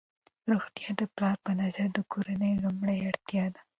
روغتیا د پلار په نظر کې د کورنۍ لومړنۍ اړتیا ده.